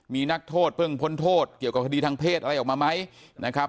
มีนักโทษเพิ่งพ้นโทษเกี่ยวกับคดีทางเพศอะไรออกมาไหมนะครับ